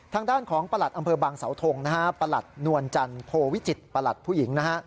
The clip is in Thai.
ทางด้านของประหลัดอำเภอบางสาวทงนะฮะประหลัดนวลจันทร์โพวิจิตประหลัดผู้หญิงนะฮะ